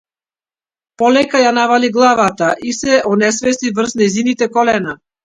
Полека ја навали главата и се онесвести врз нејзините колена.